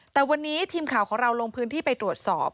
แต่วันนี้ทีมข่าวของเราลงพื้นที่ไปตรวจสอบ